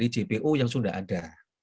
jpo yang sudah ada